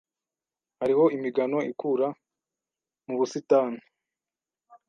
Hariho imigano ikura mu busitani.